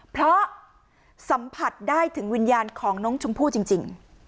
เพราะสัมผัสได้ถึงวิญญาณของน้องชมพู่จริง